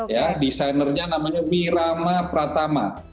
ya desainernya namanya wirama pratama